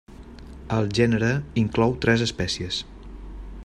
El gènere inclou tres espècies.